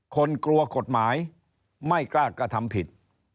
กลัวกฎหมายไม่กล้ากระทำผิด